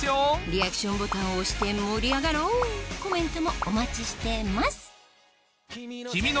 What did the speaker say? リアクションボタンを押して盛り上がろうコメントもお待ちしてます